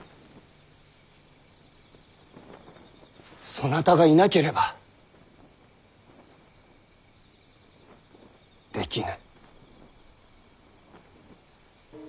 そなたがいなければできぬ。